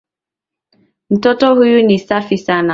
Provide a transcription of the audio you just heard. Mtoto huyu ni safi sana.